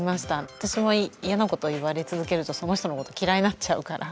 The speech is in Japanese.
私も嫌なこと言われ続けるとその人のこと嫌いになっちゃうから。